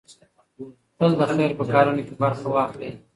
تل د خير په کارونو کې برخه واخلئ.